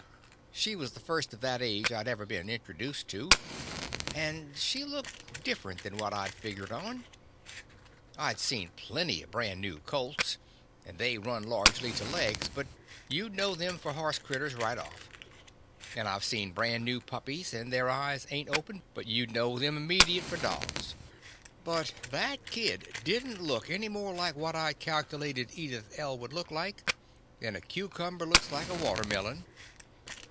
She was the first of that age I 'd ever been introduced to, and she looked different than what I 'd fig gered on. I 'd seen plenty of brand new colts, and they run largely to legs, but you 'd know them for horse critters right off; and I 've seen brand new puppies, and their eyes ain't open, but you 'd know them immediate for dogs; but that kid did n't look any more like what I 'd calculated Edith L. would look like, than a cucumber looks like a water melon.